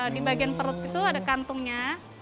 di bagian perut itu ada kantungnya